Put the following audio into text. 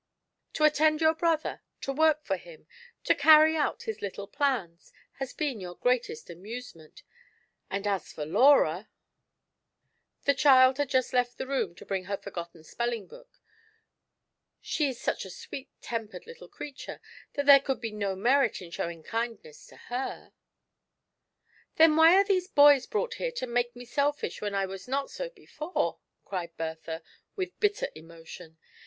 To attend your brother, to work for him, to carry out his little plans, has been your greatest amusement; and as for Laura "— the child GIANT SELFISHNESS. 39 had just left the room to bring her forgotten spelling book — "she is such a sweet tempered little creature that there could be no merit in showing kindness to her/* "Then why are these boys brought here to make me selfish when I was not so before?" cried Bertha, with bitter emotion.